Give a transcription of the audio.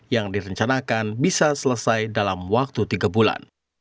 yang direncanakan bisa selesai dalam waktu tiga bulan